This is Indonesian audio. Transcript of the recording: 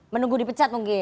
menunggu dipecat mungkin